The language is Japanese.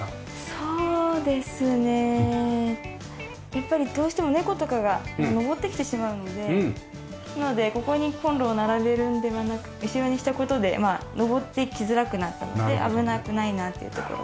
やっぱりどうしても猫とかが上ってきてしまうのでなのでここにコンロを並べるんではなく後ろにした事で上ってきづらくなったので危なくないなっていうところ。